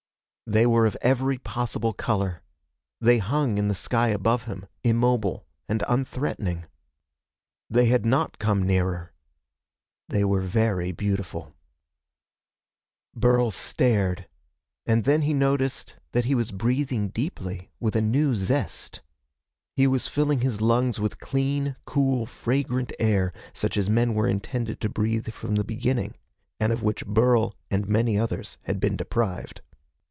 They were of every possible color. They hung in the sky above him, immobile and unthreatening. They had not come nearer. They were very beautiful. [Illustration: "... he was the first man in ... forty generations to look at them."] Burl stared. And then he noticed that he was breathing deeply, with a new zest. He was filling his lungs with clean, cool, fragrant air such as men were intended to breathe from the beginning, and of which Burl and many others had been deprived.